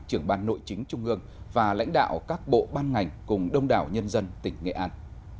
trưởng ban nội chính trung ương và lãnh đạo các bộ ban ngành cùng đông đảo nhân dân tỉnh nghệ an